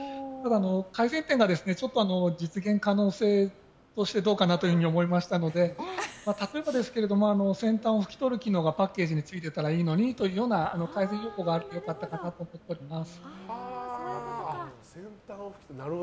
改善点がちょっと実現可能性としてどうかなと思いましたので例えばですが先端を拭き取る機能がパッケージについてたらいいのにとか改善要望があったらよかったなと思っております。